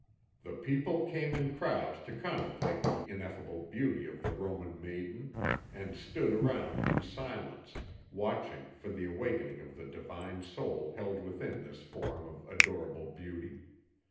The people came in crowds to contemplate the ineffable beauty of the Roman maiden and stood around in silence, watching for the awakening of the divine soul held within this form of adorable beauty.